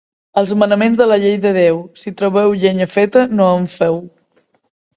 Els manaments de la Llei de Déu: si trobeu llenya feta, no en feu.